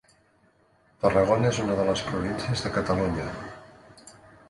Tarragona és una de les províncies de Catalunya.